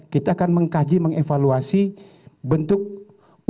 kita akan mengkaji mengevaluasi bentuk kebijakan